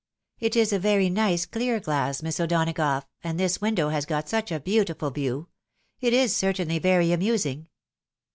"It is a very nice clear glass. Miss O'Donagough, and this window has got such a beautiful view ! It is certainly very amusing."